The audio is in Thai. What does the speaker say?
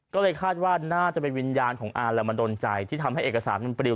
ก็เลยคาดว่าน่าจะเป็นวิญญาณของอาแล้วมาดนใจที่ทำให้เอกสารมันปลิว